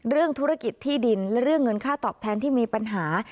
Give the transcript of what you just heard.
เรื่องธุรกิจที่ดินและเรื่องเงินค่าตอบแทนที่มีปัญหา